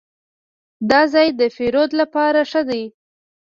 دا ځای د پیرود لپاره ښه دی.